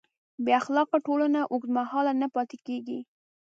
بېاخلاقه ټولنه اوږدمهاله نه پاتې کېږي.